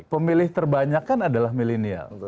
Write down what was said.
pemilih terbanyakan adalah milenial